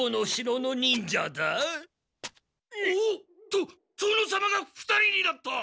と殿様が２人になった！